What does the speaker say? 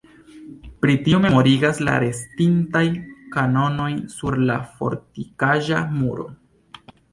Pri tio memorigas la restintaj kanonoj sur la fortikaĵa muro.